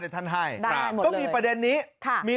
ขอส่งใจท่านให้ได้หมดเลย